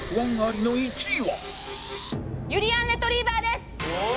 ゆりやんレトリィバァです。え！